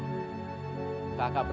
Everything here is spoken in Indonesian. kamu sekuat kbirui